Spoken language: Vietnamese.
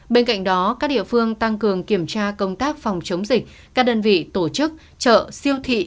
bên cạnh đó các địa phương tăng cường kiểm tra công tác phòng chống dịch các đơn vị tổ chức chợ siêu thị